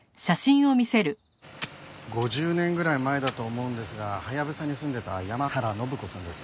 ５０年ぐらい前だと思うんですがハヤブサに住んでいた山原展子さんです。